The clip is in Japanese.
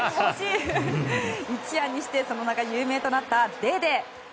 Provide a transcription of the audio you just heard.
一夜にしてその名が有名となったデーデー。